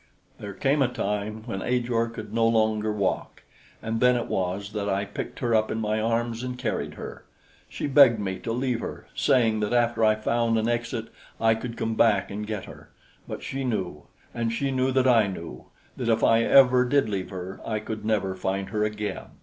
There came a time when Ajor could no longer walk, and then it was that I picked her up in my arms and carried her. She begged me to leave her, saying that after I found an exit, I could come back and get her; but she knew, and she knew that I knew, that if ever I did leave her, I could never find her again.